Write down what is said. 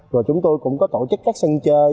rồi chúng tôi cũng có tổ chức các sân chơi